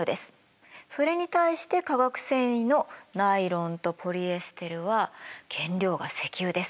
それに対して化学繊維のナイロンとポリエステルは原料が石油です。